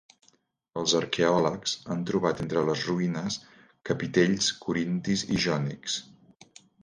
Els arqueòlegs han trobat entre les ruïnes, capitells corintis i jònics.